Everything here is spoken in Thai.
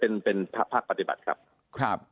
เป็นภาคปฏิบัติครับ